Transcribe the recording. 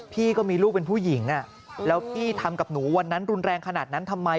พี่ก็มีลูกเป็นผู้หญิงแล้วพี่ทำกับหนูวันนั้นรุนแรงขนาดนั้นทำไม